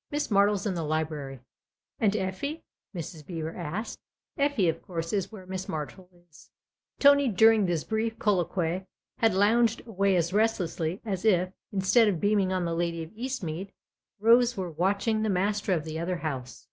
" Miss Martle's in the library." " And Effie ?" Mrs. Beever asked. " Effie, of course, is where Miss Martle is 4 " 1 92 THE OTHER HOUSE Tony, during this brief colloquy, had lounged away as restlessly as if, instead of beaming on the lady of Eastmead, Rose were watching the master of the other house.